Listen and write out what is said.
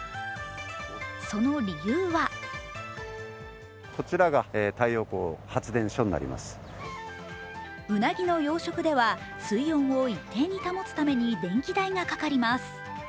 その理由はうなぎの養殖では水温を一定に保つために電気代がかかります。